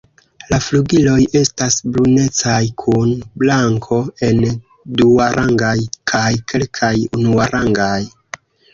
La flugiloj estas brunecaj kun blanko en duarangaj kaj kelkaj unuarangaj.